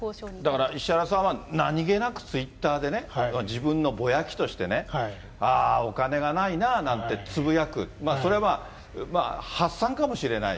だから石原さんは、何気なくツイッターでね、自分のぼやきとしてね、ああ、お金がないななんてつぶやく、それはまあ、発散かもしれない。